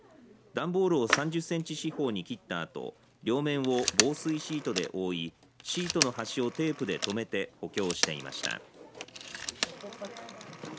段ボールを３０センチ四方に切ったあと両面を防水シートで覆いシートの端をテープでとめて補強していました。